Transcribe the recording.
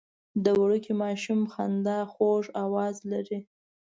د وړوکي ماشوم خندا خوږ اواز لري.